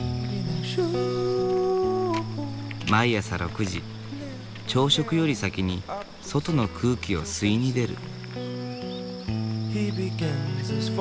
毎朝６時朝食より先に外の空気を吸いに出る。